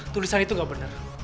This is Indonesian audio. tulisan itu gak benar